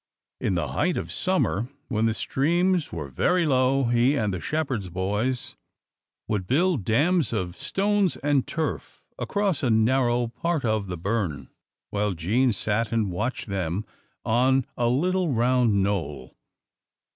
In the height of summer, when the streams were very low, he and the shepherd's boys would build dams of stones and turf across a narrow part of the burn, while Jean sat and watched them on a little round knoll.